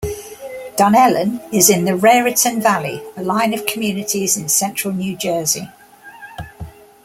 Dunellen is in the Raritan Valley, a line of communities in central New Jersey.